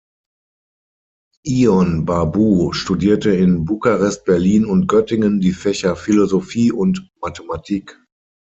Ion Barbu studierte in Bukarest, Berlin und Göttingen die Fächer Philosophie und Mathematik.